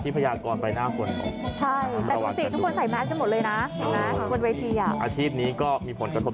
น่าสนุกนะฮะให้กำลังใจเนาะ